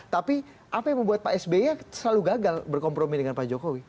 tapi apa yang membuat pak sby selalu gagal berkompromi dengan pak jokowi